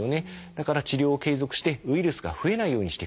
だから治療を継続してウイルスが増えないようにしていく。